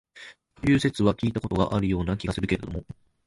という説は聞いた事があるような気がするけれども、